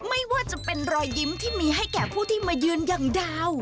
ไม่ว่าจะเป็นรอยยิ้มที่มีให้แก่ผู้ที่มายืนอย่างดาว